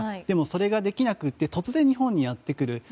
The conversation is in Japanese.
でもそれができなくて突然、日本にやってくる。